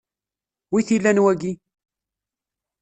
Wi t-ilan wagi?